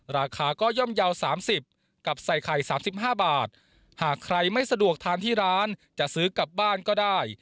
ราคาก็ย่อมเยาว์๓๐กับใส่ไข่๓๕บาทหากใครไม่สะดวกทานที่ร้านจะซื้อกลับบ้านก็ได้